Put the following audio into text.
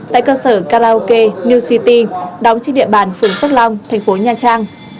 tại cơ sở karaoke new city đóng trên địa bàn phường phước long thành phố nha trang